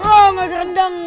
oh nggak gerendeng